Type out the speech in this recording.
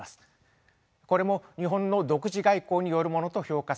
これも日本の独自外交によるものと評価されています。